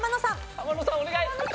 浜野さんお願い！